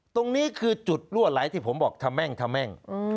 ตรงนี้คือจุดลั่วไหลที่ผมบอกถ้าแม่ง